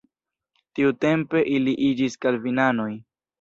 Tiutempe ili iĝis kalvinanoj.